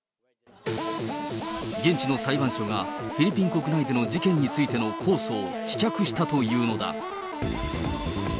現地の裁判所が、フィリピン国内での事件についての公訴を棄却したというのだ。